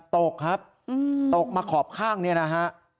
ตกครับตกมาขอบข้างเนี่ยนะฮะ